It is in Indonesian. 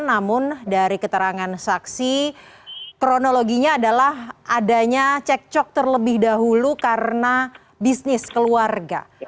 namun dari keterangan saksi kronologinya adalah adanya cek cok terlebih dahulu karena bisnis keluarga